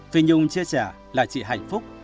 phi nhung chia sẻ là chị hạnh phúc